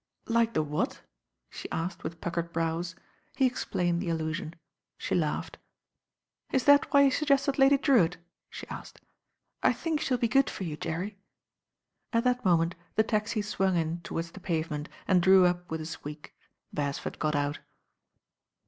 "Like the what?" she asked with puckered brows. He explained the allusion. She laughed. "Is that why you suggested Lady Drewitt?" she asked. "I think she'll be good for you, Jerry." At that moment the taxi swung in towards the pavement and drew up with a squeak. Beresford got out.